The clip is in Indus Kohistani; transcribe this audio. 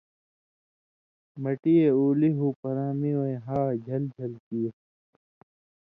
مٹی یے اُلی ہُو پراں می وَیں ہا ژھل ژھل کیر۔